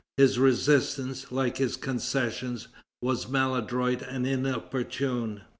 His resistance, like his concessions, was maladroit and inopportune.